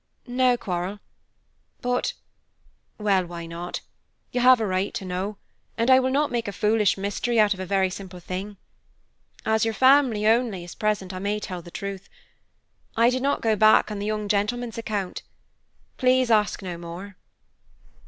"No quarrel, but well, why not? You have a right to know, and I will not make a foolish mystery out of a very simple thing. As your family, only, is present, I may tell the truth. I did not go back on the young gentleman's account. Please ask no more."